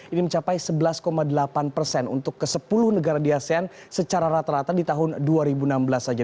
ini mencapai sebelas delapan persen untuk ke sepuluh negara di asean secara rata rata di tahun dua ribu enam belas saja